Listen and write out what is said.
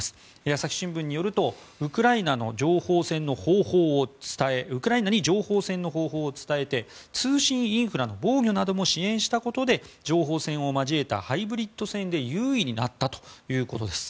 朝日新聞によるとウクライナに情報戦の方法を伝えて通信インフラの防御なども支援したことで情報戦を交えたハイブリッド戦で優位になったということです。